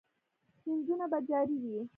سیندونه به جاری وي؟